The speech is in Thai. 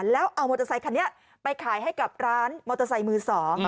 แล้วเอามอเตอร์ไซคันนี้ไปขายให้กับร้านมอเตอร์ไซค์มือสอง